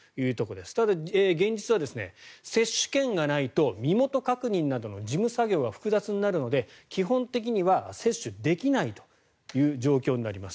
ただ、現実は接種券がないと身元確認などの事務作業が複雑になるので基本的には接種できないという状況になります。